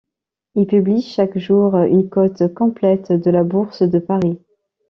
Il publie chaque jour une cote complète de la Bourse de Paris.